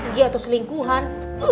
gia atau selingkuhan